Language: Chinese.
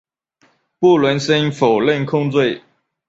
布伦森否认控罪。